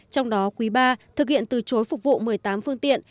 trong đó quý ba thực hiện từ chối phục vụ một mươi tám phương tiện